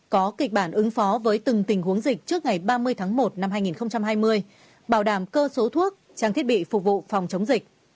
có kịch bản ứng phó với từng tình huống dịch trước ngày ba mươi tháng một năm hai nghìn hai mươi bảo đảm cơ số thuốc trang thiết bị phục vụ phòng chống dịch